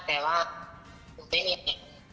แต่ว่าหลวงพ่อไม่มีอะไร